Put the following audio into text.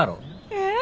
えっ？